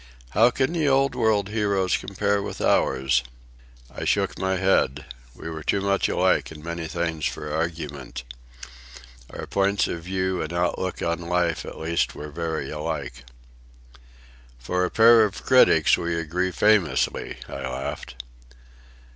"How can the Old World heroes compare with ours?" I shook my head. We were too much alike in many things for argument. Our points of view and outlook on life at least were very alike. "For a pair of critics we agree famously," I laughed.